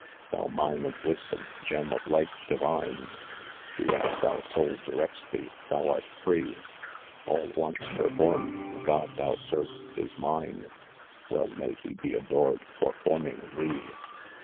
Thou mine of wisdom, gem of light divine, Do as thy soul directs thee 1 Thou art free : All once performed, the god thou serv'st is mine, "Well may he be adored for forming thee I